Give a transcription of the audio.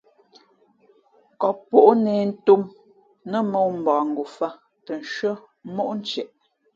Kǒppǒʼ nē ntōm nά mᾱŋū mbakngofāt tα nshʉ́ά móʼ ntieʼ.